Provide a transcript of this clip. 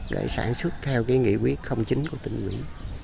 để sản xuất theo cái nghĩa quyết không chính của tình nguyện